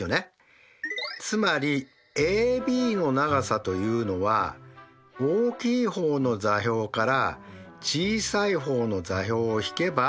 つまりＡＢの長さというのは大きい方の座標から小さい方の座標を引けばよい。